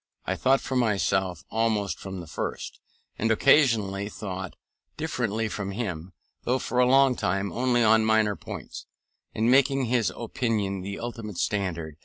I thought for myself almost from the first, and occasionally thought differently from him, though for a long time only on minor points, and making his opinion the ultimate standard.